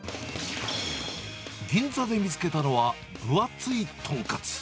銀座で見つけたのは、分厚い豚カツ。